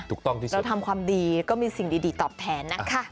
ถูกต้องที่สุดเราทำความดีก็มีสิ่งดีตอบแทนนะคะ